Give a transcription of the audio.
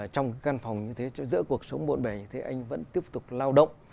trong căn phòng như thế giữa cuộc sống bộn bẩy như thế anh vẫn tiếp tục lao động